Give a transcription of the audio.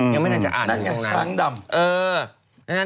ยังไม่น่าจะอ่านอยู่ตรงนั้น